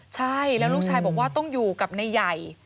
ใช่แล้วลูกชายบอกว่าต้องอยู่กับนายใหญ่